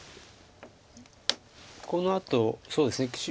このあとそうですね